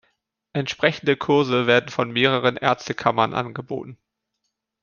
Entsprechende Kurse werden von mehreren Ärztekammern angeboten.